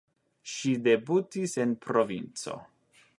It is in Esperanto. Ŝi debutis en provinco.